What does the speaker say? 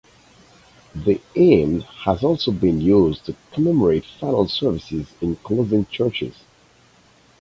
The hymn has also been used to commemorate final services in closing churches.